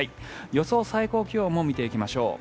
予想最高気温も見ていきましょう。